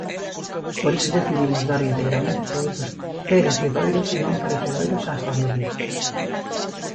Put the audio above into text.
Por iso decidimos dar integramente produtos perecedoiros e non perecedoiros ás familias.